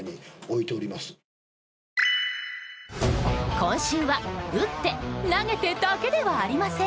今週は打って投げてだけではありません。